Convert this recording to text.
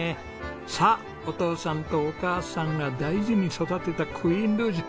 さあお父さんとお母さんが大事に育てたクイーンルージュ。